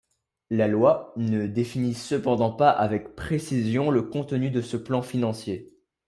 La loi ne définit cependant pas avec précision le contenu de ce plan financier.